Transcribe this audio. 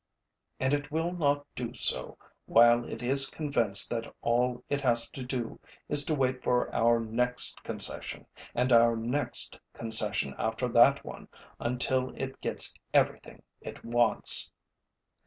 And it will not do so while it is convinced that all it has to do is to wait for our next concession, and our next concession after that one, until it gets everything it wants.